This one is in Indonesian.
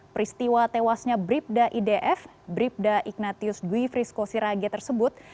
peristiwa tewasnya bribda idf bribda ignatius dwi frisco sirage tersebut